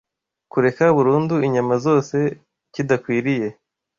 kureka burundu inyama zose kidakwiriye